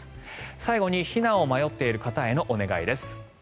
最後に避難を迷っている方へのお願いです。